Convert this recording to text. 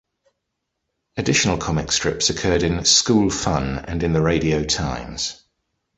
Additional comic strips occurred in "School Fun" and in the "Radio Times".